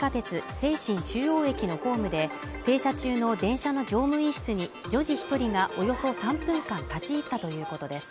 西神中央駅のホームで停車中の電車の乗務員室に女児一人がおよそ３分間立ち入ったということです